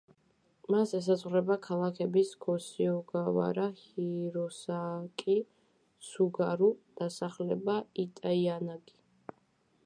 მას ესაზღვრება ქალაქები გოსიოგავარა, ჰიროსაკი, ცუგარუ, დასახლება იტაიანაგი.